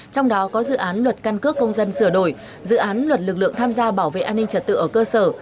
trong đó có dự án luật căn cước công dân sửa đổi dự án luật lực lượng tham gia bảo vệ an ninh trật tự ở cơ sở